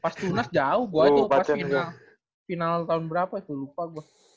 pas tunas jauh gue tuh pas ini final tahun berapa itu lupa gue